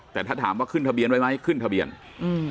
แต่ถ้าถามว่าขึ้นทะเบียนไว้ไหมขึ้นทะเบียนอืม